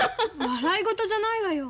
笑い事じゃないわよ。